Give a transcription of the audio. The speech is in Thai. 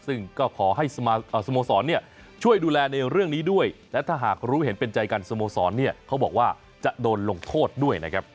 ซึ่งก็ขอให้สโมสรเนี่ยช่วยดูแลในเรื่องนี้ด้วยและถ้าหากรู้เห็นเป็นใจกันสโมสรเนี่ยเขาบอกว่าจะโดนลงโทษด้วยนะครับ